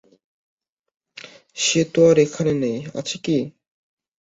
সে তো আর এখানে নেই, আছে কি?